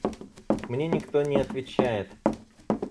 Мне никто не отвечает.